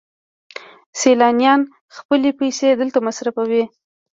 سیلانیان خپلې پیسې دلته مصرفوي.